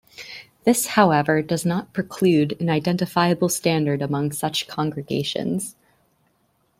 This, however, does not preclude an identifiable standard among such congregations.